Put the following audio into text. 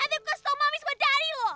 and then kusutau mami sama dari lo